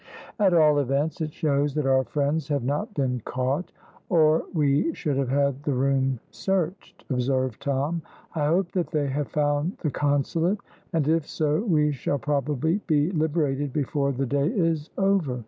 "At all events, it shows that our friends have not been caught, or we should have had the room searched," observed Tom. "I hope that they have found the Consulate, and if so, we shall probably be liberated before the day is over.